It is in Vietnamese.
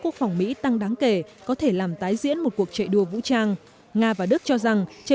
quốc phòng mỹ tăng đáng kể có thể làm tái diễn một cuộc chạy đua vũ trang nga và đức cho rằng trợ